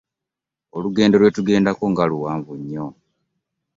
Olugendo lwetugendako nga luwamvu nyo.